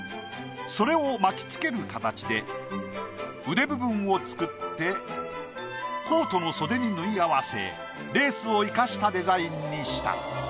それを巻きつける形で腕部分を作ってコートの袖に縫い合わせレースを生かしたデザインにした。